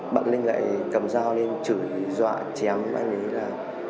bọn linh lại cầm dao lên chửi dọa chém anh ấy là